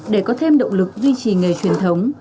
để có thêm động lực duy trì nghề truyền thống